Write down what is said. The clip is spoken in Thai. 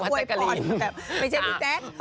วยพรแบบไม่ใช่พี่แจ๊ค